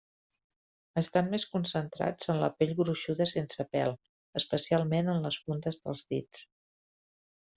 Estan més concentrats en la pell gruixuda sense pèl, especialment en les puntes dels dits.